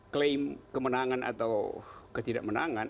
klaim kemenangan atau ketidakmenangan